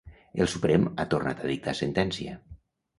El Suprem ha tornat a dictar sentència.